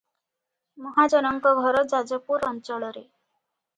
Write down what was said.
ମହାଜନଙ୍କ ଘର ଯାଜପୁର ଅଞ୍ଚଳରେ ।